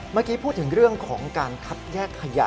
เมื่อกี้พูดถึงเรื่องของการคัดแยกขยะ